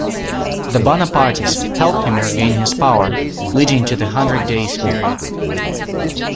The Bonapartists helped him regain his power, leading to the Hundred Days period.